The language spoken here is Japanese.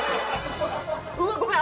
うわっごめん！